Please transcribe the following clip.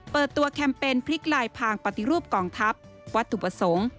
เปิดตัวแคมเปญพริกลายพางปฏิรูปกองทัพวัตถุประสงค์